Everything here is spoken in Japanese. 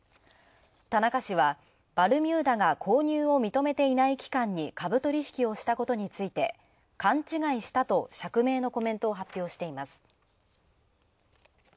田中氏はバルミューダが購入を認めていない期間に株取引をしたことについて「勘違いした」と釈明のコメントを発表しています。